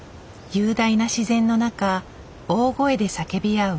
雄大な自然の中大声で叫び合う